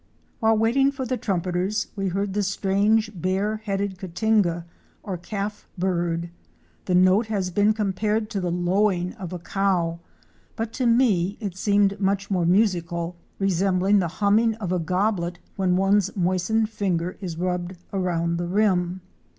While waiting for the Trumpeters we heard the strange Bare headed Cotinga'" or Calf bird. The note has been compared to the lowing of a cow, but to me it seemed much more musical, resembling the humming of a goblet when one's moistened finger is rubbed around the rim.